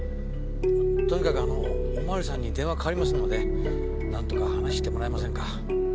とにかくおまわりさんに電話代わりますのでなんとか話してもらえませんか？